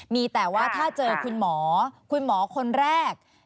มีแต่ว่าถ้าเจอคุณหมอคุณหมอคนแรก